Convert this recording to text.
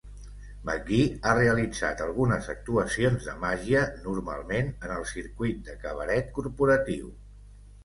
McGee ha realitzat algunes actuacions de màgia, normalment en el circuit de cabaret corporatiu.